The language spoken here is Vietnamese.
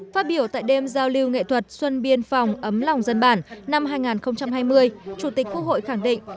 phát biểu tại đêm giao lưu nghệ thuật xuân biên phòng ấm lòng dân bản năm hai nghìn hai mươi chủ tịch quốc hội khẳng định